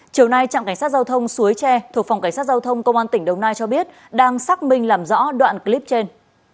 chiều nay trạm cảnh sát giao thông suối tre thuộc phòng cảnh sát giao thông công an tỉnh đồng nai cho biết đang xác minh làm rõ đoạn clip trên